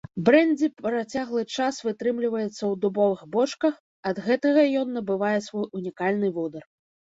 Брэндзі працяглы час вытрымліваецца ў дубовых бочках, ад гэтага ён набывае свой унікальны водар.